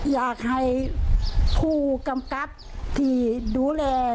อยากให้ผู้กำกับที่ดูแล